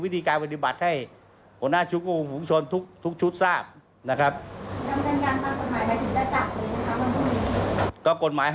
ทางฝั่งของกลุ่มผู้ชุมนุม